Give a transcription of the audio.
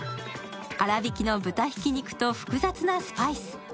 粗びきの豚ひき肉と複雑なスパイス。